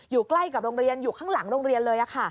อยู่ใกล้กับโรงเรียนอยู่ข้างหลังโรงเรียนเลย